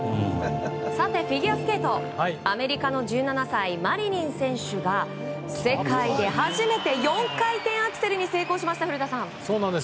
さて、フィギュアスケートアメリカの１７歳マリニン選手が世界で初めて４回転アクセルに成功しました、古田さん。